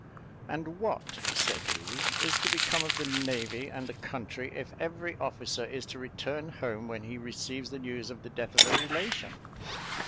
"And what," said he, "is to become of the navy and the country, if every officer is to return home when he receives the news of the death of a relation?"